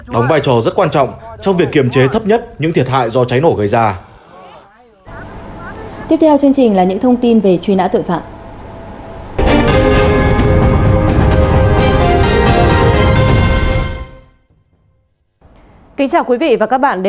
đóng vai trò rất quan trọng trong việc kiềm chế thấp nhất những thiệt hại do cháy nổ gây ra tội phạm